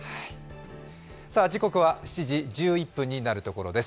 時刻は７時１１分になるところです。